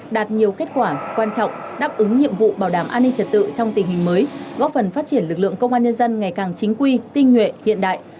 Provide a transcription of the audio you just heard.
đạt nhiều kết quả quan trọng đáp ứng nhiệm vụ bảo đảm an ninh trật tự trong tình hình mới góp phần phát triển lực lượng công an nhân dân ngày càng chính quy tinh nhuệ hiện đại